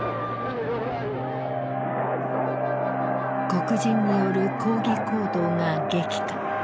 黒人による抗議行動が激化。